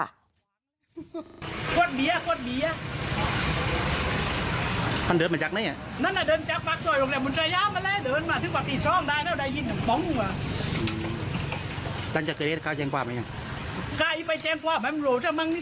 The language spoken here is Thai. ก็เปิดไปทำไม่ดีกับพระรังมันเนี่ย